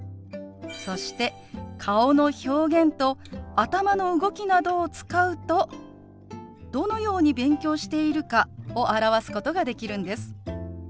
そして顔の表現と頭の動きなどを使うとどのように勉強しているかを表すことができるんです。